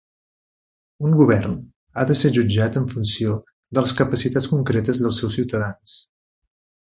Un govern ha de ser jutjat en funció de les capacitats concretes dels seus ciutadans.